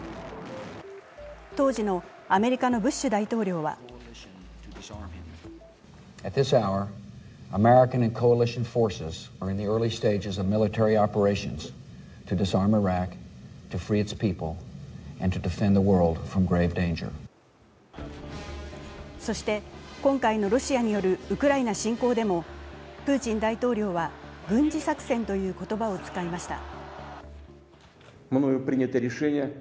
当時のアメリカのブッシュ大統領はそして今回のロシアによるウクライナ侵攻でもプーチン大統領は軍事作戦という言葉を使いました。